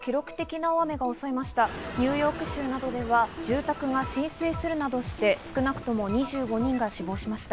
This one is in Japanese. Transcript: ニューヨーク州などでは住宅が浸水するなどして少なくとも２５人が死亡しました。